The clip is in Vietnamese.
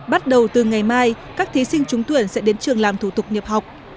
bắt đầu từ ngày mai các thí sinh trúng tuyển sẽ đến trường làm thủ tục nhập học